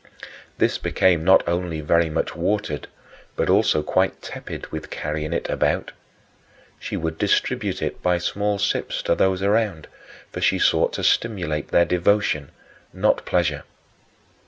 This became not only very much watered but also quite tepid with carrying it about. She would distribute it by small sips to those around, for she sought to stimulate their devotion, not pleasure.